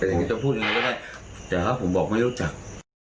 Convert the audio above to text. แต่อย่างนี้จะพูดยังไงก็ได้แต่ถ้าผมบอกไม่รู้จัก